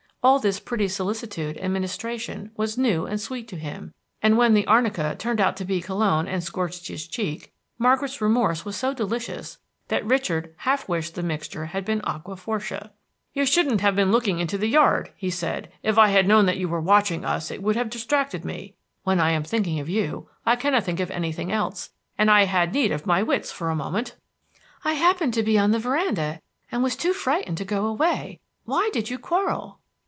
All this pretty solicitude and ministration was new and sweet to him, and when the arnica turned out to be cologne, and scorched his cheek, Margaret's remorse was so delicious that Richard half wished the mixture had been aquafortis. "You shouldn't have been looking into the yard," he said. "If I had known that you were watching us it would have distracted me. When I am thinking of you I cannot think of anything else, and I had need of my wits for a moment." "I happened to be on the veranda, and was too frightened to go away. Why did you quarrel?"